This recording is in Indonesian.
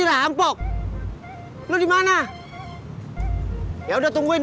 ah keren banget